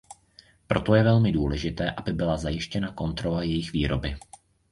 Proto je velmi důležité, aby byla zajištěna kontrola jejich výroby.